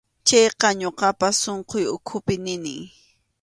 Chayqa ñuqapas sunquy ukhupi nini.